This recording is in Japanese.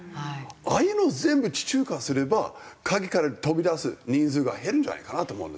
ああいうのを全部地中化すれば陰から飛び出す人数が減るんじゃないかなと思うんです。